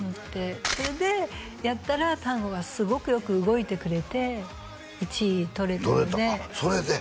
それでやったらタンゴがすごくよく動いてくれて１位取れたので取れた？